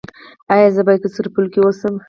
ایا زه باید په سرپل کې اوسم؟